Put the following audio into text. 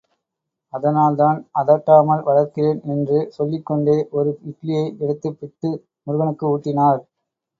அதனால்தான் அதட்டாமல் வளர்க்கிறேன் என்று சொல்லிக் கொண்டே, ஒரு இட்லியை எடுத்துப் பிட்டு, முருகனுக்கு ஊட்டினார்.